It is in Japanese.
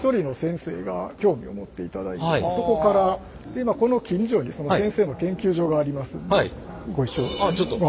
もともとはこの近所にその先生の研究所がありますんでご一緒にお話。